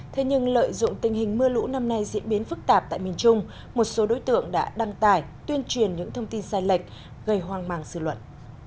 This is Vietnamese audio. thế nhưng lợi dụng tình hình mưa lũ năm nay diễn biến phức tạp tại miền trung một số đối tượng đã đăng tải tuyên truyền những thông tin sai lệch gây hoang mang sự luận